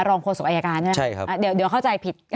ลองพลสุขอายการใช่ไหมใช่ครับอ่าเดี๋ยวถึงข้าวใจผิดอ๋อ